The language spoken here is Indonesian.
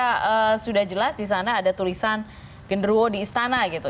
maksudnya ketika sudah jelas disana ada tulisan gundurwo di istana gitu